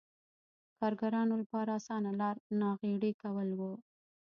کارګرانو لپاره اسانه لار ناغېړي کول و.